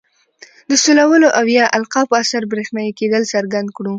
د سولولو او یا القاء په اثر برېښنايي کیدل څرګند کړو.